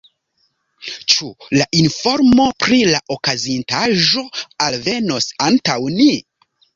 Ĉu la informo pri la okazintaĵo alvenos antaŭ ni?